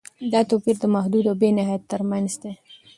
دا توپیر د محدود او بې نهایت تر منځ دی.